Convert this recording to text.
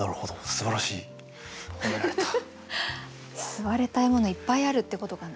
吸われたいものいっぱいあるってことかな。